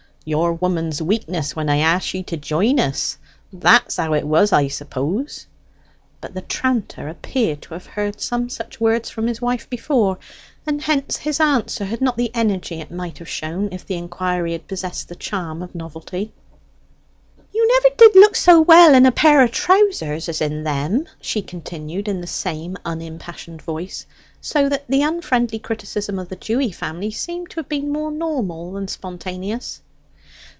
"Your woman's weakness when I asked ye to jine us. That's how it was I suppose." But the tranter appeared to have heard some such words from his wife before, and hence his answer had not the energy it might have shown if the inquiry had possessed the charm of novelty. "You never did look so well in a pair o' trousers as in them," she continued in the same unimpassioned voice, so that the unfriendly criticism of the Dewy family seemed to have been more normal than spontaneous.